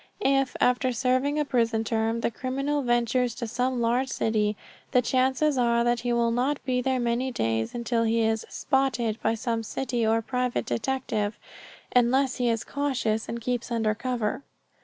If, after serving a prison term, the criminal ventures to some large city, the chances are that he will not be there many days until he is "spotted" by some city or private detective, unless he is cautious and keeps under cover.